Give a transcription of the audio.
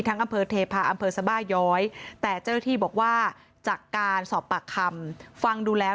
อำเภอเทพาะอำเภอสบาย้อยแต่เจ้าหน้าที่บอกว่าจากการสอบปากคำฟังดูแล้ว